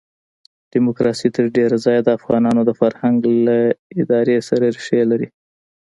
ډیموکراسي تر ډېره ځایه د افغانانو د فرهنګ له ادارې سره ریښې لري.